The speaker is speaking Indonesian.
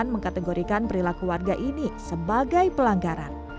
mengkategorikan perilaku warga ini sebagai pelanggaran